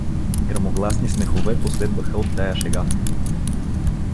Гръмогласни смехове последваха от тая шега.